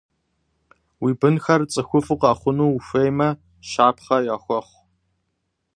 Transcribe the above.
Уи бынхэр цӀыхуфӀу къэхъуну ухуеймэ, щапхъэ яхуэхъу.